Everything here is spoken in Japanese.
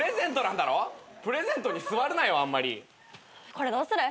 これどうする？